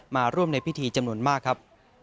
มาร่วมในพิธีจำนวนมากครับ